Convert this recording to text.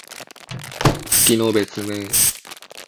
月の別名。